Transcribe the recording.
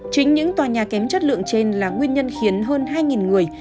chính những tòa nhà kém chất lượng trên là nguyên nhân khiến hơn hai người